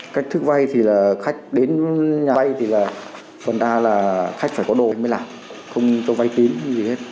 cách thức vay thì là khách đến nhà vay thì là phần a là khách phải có đồ mới làm không vay tín gì hết